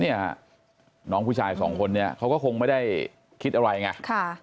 นี่นะนองผู้ชาย๒คนนี้เขาก็คงไม่ได้คิดอะไรไง